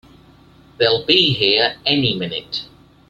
They'll be here any minute!